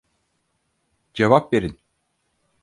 Cevap verin.